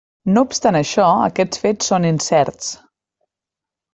No obstant això, aquests fets són incerts.